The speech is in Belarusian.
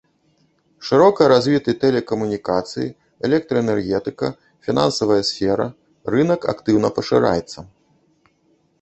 Шырока развіты тэлекамунікацыі, электраэнергетыка, фінансавая сфера, рынак актыўна пашыраецца.